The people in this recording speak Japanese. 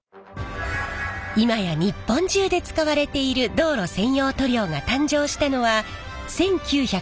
今や日本中で使われている道路専用塗料が誕生したのは１９５９年。